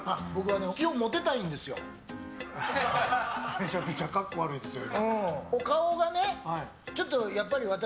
めちゃくちゃ格好悪いですよ。